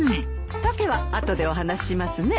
訳はあとでお話しますね。